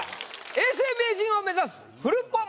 永世名人を目指すフルポン